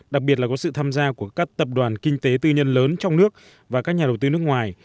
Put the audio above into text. đặc biệt là có sự tham gia của các tập đoàn kinh tế tư nhân lớn trong nước và các nhà đầu tư nước ngoài